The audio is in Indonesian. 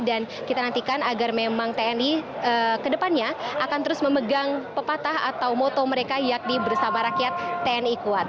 dan kita nantikan agar memang tni kedepannya akan terus memegang pepatah atau moto mereka yakni bersama rakyat tni kuat